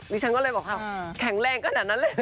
ฉันก็เลยบอกแข็งแรงขนาดนั้นเลย